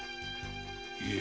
いえ。